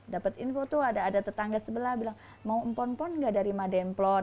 dapat info tuh ada ada tetangga sebelah bilang mau empon empon enggak dari mademplon